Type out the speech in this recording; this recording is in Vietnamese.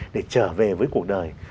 để trở về với cuộc đời